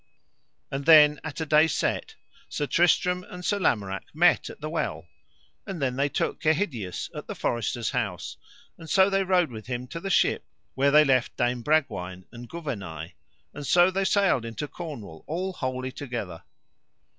And then at a day set Sir Tristram and Sir Lamorak met at the well; and then they took Kehydius at the forester's house, and so they rode with him to the ship where they left Dame Bragwaine and Gouvernail, and so they sailed into Cornwall all wholly together.